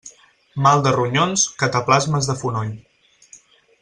Mal de ronyons, cataplasmes de fonoll.